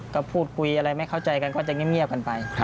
ก็พูดคุยอะไรไม่เข้าใจกันก็จะเงียบกันไป